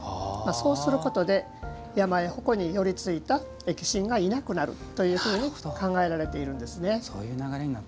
そうすることで山や鉾に寄り付いた疫神がいなくなると考えられているんですね。